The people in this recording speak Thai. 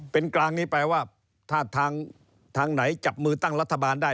เป็นกลางนี้แปลว่าถ้าทางไหนจับมือตั้งรัฐบาลได้